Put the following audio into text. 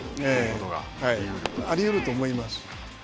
あり得ると思います。